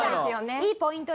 いいポイントです。